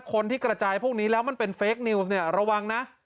คนที่กระจายพวกนี้แล้วมันเป็นเฟคนิวส์เนี่ยระวังนะ